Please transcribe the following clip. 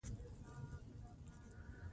زه کوم براوزر و کاروم